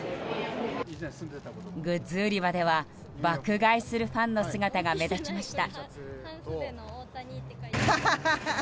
グッズ売り場では、爆買いするファンの姿が目立ちました。